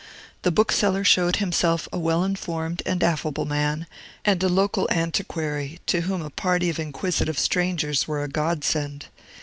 The bookseller showed himself a well informed and affable man, and a local antiquary, to whom a party of inquisitive strangers were a godsend.